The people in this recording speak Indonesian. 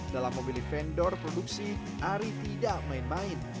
dalam memilih vendor produksi ari tidak main main